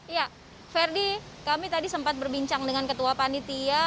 ya ferdi kami tadi sempat berbincang dengan ketua panitia